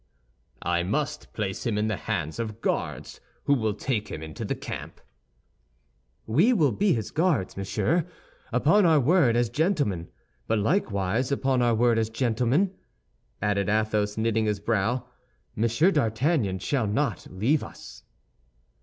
"I must place him in the hands of guards who will take him into camp." "We will be his guards, monsieur, upon our word as gentlemen; but likewise, upon our word as gentlemen," added Athos, knitting his brow, "Monsieur d'Artagnan shall not leave us."